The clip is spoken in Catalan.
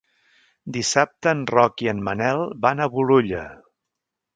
Dissabte en Roc i en Manel van a Bolulla.